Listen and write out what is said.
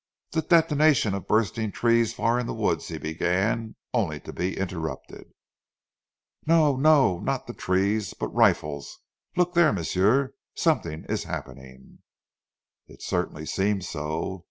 "The detonation of bursting trees far in the wood," he began, only to be interrupted. "Non, non! not zee trees, but rifles, look dere, m'sieu, someting ees happening." It certainly seemed so.